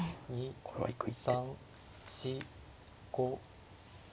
これは行く一手。